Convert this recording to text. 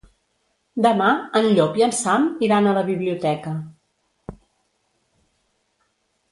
Demà en Llop i en Sam iran a la biblioteca.